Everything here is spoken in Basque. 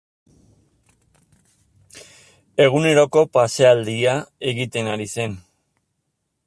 Eguneroko pasealdia egiten ari zen.